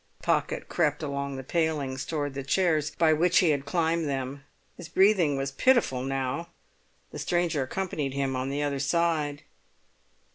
Pocket crept along the palings towards the chairs by which he had climbed them. His breathing was pitiful now. The stranger accompanied him on the other side.